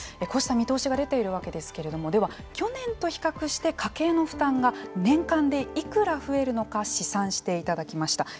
こうした見通しが出ているわけですけれどもでは去年と比較して家計の負担が年間でいくら増えるのか試算していただきました。